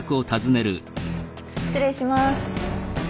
失礼します。